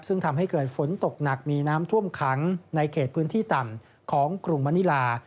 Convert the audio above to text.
ซึ่งทำให้เกิดฝนตกหนักมีน้ำท่วมขังในเขตพื้นที่ต่ำของกรุงมณิลา